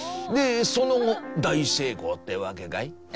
でその後大成功ってわけかい？